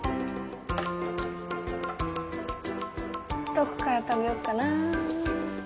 どこから食べよっかな。